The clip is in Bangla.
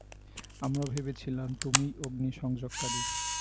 আমরা ভেবেছিলাম তুমিই অগ্নি সংযোগকারী।